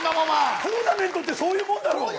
トーナメントってそういうもんだろ。